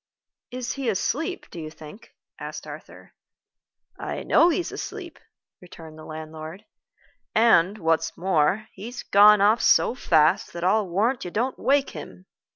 "Is he asleep, do you think?" asked Arthur. "I know he's asleep," returned the landlord; "and, what's more, he's gone off so fast that I'll warrant you don't wake him.